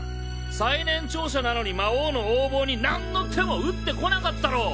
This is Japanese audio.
最年長者なのに魔王の横暴に何の手も打ってこなかったろう！